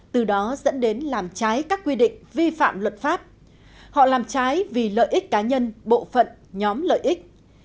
từ đó dẫn đến làm trái các quy định vi phạm luật pháp họ làm trái vì lợi ích cá nhân bộ phận nhóm lợi ích